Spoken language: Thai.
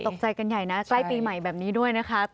ตกใจกันใหญ่นะใกล้ปีใหม่แบบนี้ด้วยนะคะ